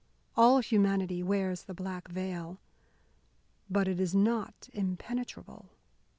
All humanity wears the black veil. But it is not impenetrable.